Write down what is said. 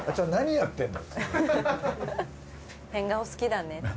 変顔好きだねって。